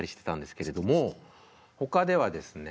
ほかではですね